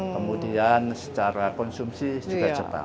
kemudian secara konsumsi juga cepat